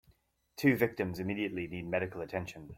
Two victims immediately need medical attention.